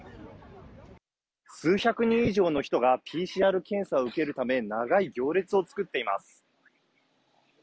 数百人以上の人がＰＣＲ検査を受けるため、長い行列を作っています。